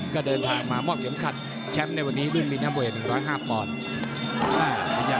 ก็เดินผ่านมามอบเหยียมขัดแชมป์ในวันนี้รุ่นมีนห้ามมือ๑๐๕พอร์ด